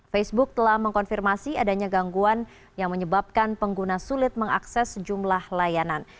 facebook telah mengkonfirmasi adanya gangguan yang menyebabkan pengguna sulit mengakses sejumlah layanan